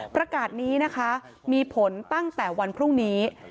ประกาศนี้นะคะมีผลตั้งแต่วันพรุ่งนี้